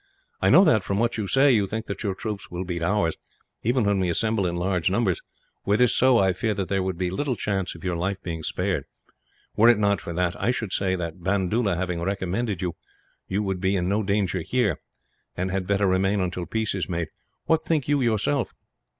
"I know that, from what you say, you think that your troops will beat ours, even when we assemble in large numbers. Were this so, I fear that there would be little chance of your life being spared. Were it not for that, I should say that, Bandoola having recommended you, you would be in no danger here, and had better remain until peace is made. "What think you, yourself?"